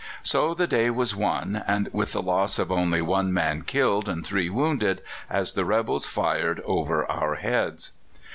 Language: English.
So the day was won, and with the loss of only one man killed and three wounded, as the rebels fired over our heads.